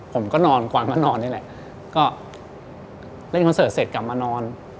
ผมก็นอนกวานมานอนนี่แหละก็เล่นคอนเสิร์ตเสร็จกลับมานอน